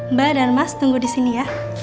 mbak dan mas tunggu disini ya